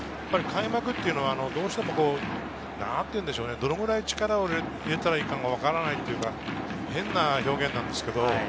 開幕はどうしても、なんていうんでしょうね、どれぐらい力を入れたらいいかもわからないというか変な表現なんですけど。